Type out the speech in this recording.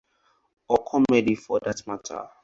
Or comedy for that matter.